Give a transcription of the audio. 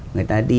người ta đi